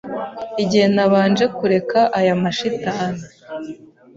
Igihe nabanje kureka aya mashitani